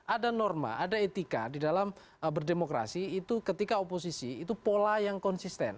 ada norma ada etika di dalam berdemokrasi itu ketika oposisi itu pola yang konsisten